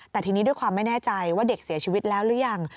แต่ทีนี้ด้วยความไม่แน่ใจว่าเด็กเสียชีวิตแล้วหรือยัง